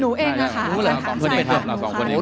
หนูเองนะคะค่ะค่ะค่ะค่ะ